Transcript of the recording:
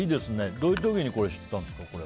どういう時に知ったんですか？